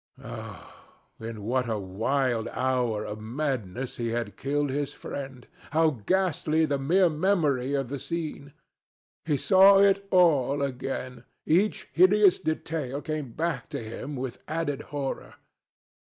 Oh! in what a wild hour of madness he had killed his friend! How ghastly the mere memory of the scene! He saw it all again. Each hideous detail came back to him with added horror.